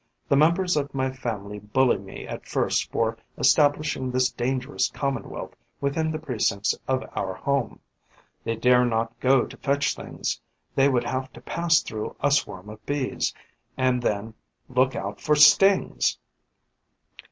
The members of my family bully me at first for establishing this dangerous commonwealth within the precincts of our home. They dare not go to fetch things: they would have to pass through a swarm of Bees; and then...look out for stings!